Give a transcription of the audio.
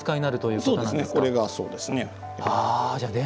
これがそうですね。